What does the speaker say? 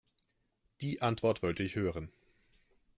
Die Antwort wollte ich hören.